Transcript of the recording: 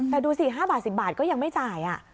แต่ดูสิ๕บาท๑๐บาทก็ยังไม่จ่าย